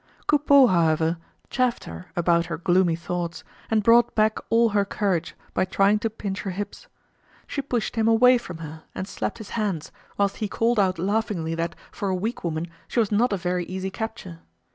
Coupeau, however, chaffed her about her gloomy thoughts, and brought back all her courage by trying to pinch her hips. She pushed him away from her, and slapped his hands, whilst he called out laughingly that, for a weak woman, she was not a very easy capture.